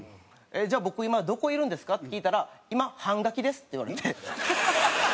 「僕今どこいるんですか」って聞いたら「今半餓鬼です」って言われて。